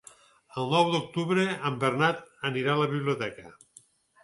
El nou d'octubre en Bernat anirà a la biblioteca.